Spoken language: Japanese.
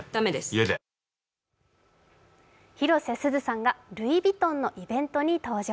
広瀬すずさんがルイ・ヴィトンのイベントに登場。